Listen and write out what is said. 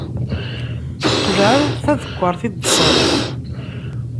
Qelɛen tadekkart i ddser.